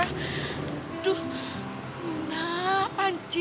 aduh yuna panci